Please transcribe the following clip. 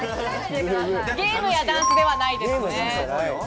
ゲームやダンスではないです。